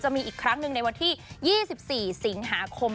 มีอีกครั้งหนึ่งในวันที่๒๔สิงหาคม